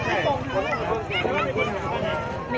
สวัสดีทุกคน